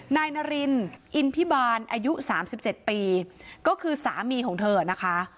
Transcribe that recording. นายนารินอินพิบาลอายุ๓๗ปีก็คือสามีของเธอนะคะ